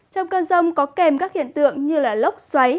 trong cơn rông có kèm các hiện tượng như lốc xoáy